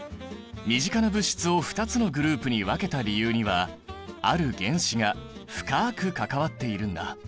身近な物質を２つのグループに分けた理由にはある原子が深く関わっているんだ。